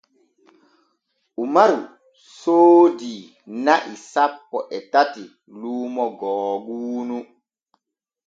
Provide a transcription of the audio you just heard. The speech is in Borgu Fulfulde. Umaru soodi na'i sanpo e tati luumo googuunu.